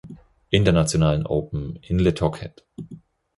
Internationalen Open" in Le Touquet.